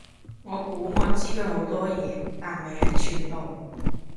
我估我知佢好多嘢，但未係全部